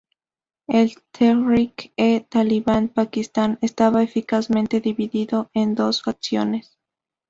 El Tehrik-e-Talibán Pakistán estaba eficazmente dividido en dos facciones.